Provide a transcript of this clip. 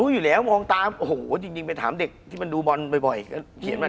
คุณผู้ชมบางท่าอาจจะไม่เข้าใจที่พิเตียร์สาร